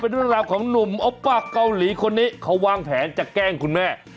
เป็นดุลาบของหนุ่มอ๊อปป่ะเกาหลีคนนี้เค้าวางแผนจะแกล้งคุณแม่